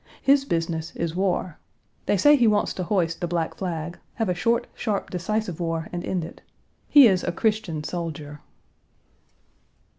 His business is war. They say he wants to hoist the black flag, have a short, sharp, decisive war and end it. He is a Christian soldier."